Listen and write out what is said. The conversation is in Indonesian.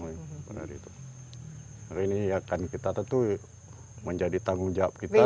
ini akan kita tentu menjadi tanggung jawab kita